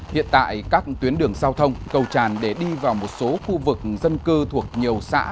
hiện tại các tuyến đường giao thông cầu tràn để đi vào một số khu vực dân cư thuộc nhiều xã